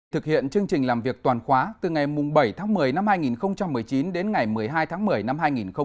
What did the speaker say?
thực hiện chương trình làm việc toàn khóa từ ngày bảy tháng một mươi năm hai nghìn một mươi chín đến ngày một mươi hai tháng một mươi năm hai nghìn hai mươi